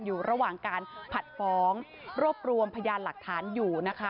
อยู่ระหว่างการผัดฟ้องรวบรวมพยานหลักฐานอยู่นะคะ